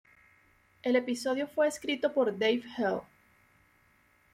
El episodio fue escrito por Dave Hill.